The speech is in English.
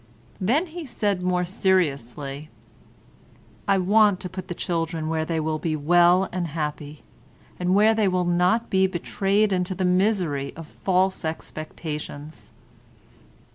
Then he said more seriously: "I want to put the children where they will be well and happy, and where they will not be betrayed into the misery of false expectations."